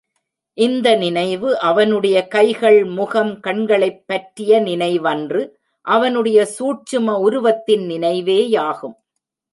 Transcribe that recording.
இந்த நினைவு, அவனுடைய கைகள், முகம், கண்களைப்பற்றிய நினைவன்று அவனுடைய சூட்சும உருவத்தின் நினைவே யாகும்.